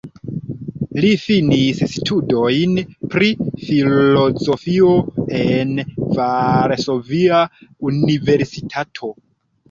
Li finis studojn pri filozofio en Varsovia Universitato.